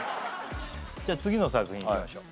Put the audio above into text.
じゃあ次の作品いきましょう。